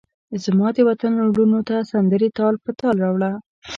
زمادوطن لوڼوته سندرې تال په تال راوړه